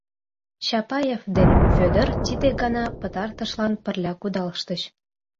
Чапаев ден Вӧдыр тиде гана пытартышлан пырля кудалыштыч.